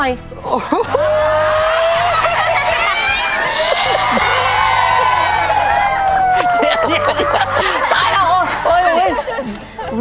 แล้วโรงแรม